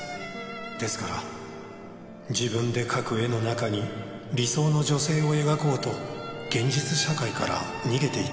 「ですから自分で描く絵の中に理想の女性を描こうと現実社会から逃げていたんです」